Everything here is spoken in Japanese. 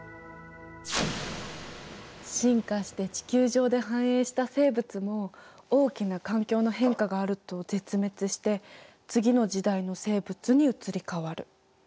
進化して地球上で繁栄した生物も大きな環境の変化があると絶滅して次の時代の生物に移り変わる。